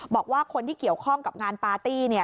บอกว่าคนที่เกี่ยวข้องกับงานปาร์ตี้เนี่ย